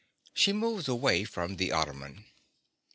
(_She moves away from the ottoman.